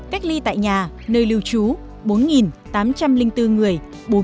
cách ly tại nhà nơi lưu trú bốn tám trăm linh bốn người bốn mươi ba